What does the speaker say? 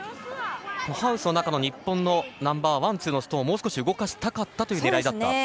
ハウスの中の日本のナンバーワン、ツーのストーンをもう少し動かしたかったという狙いだった。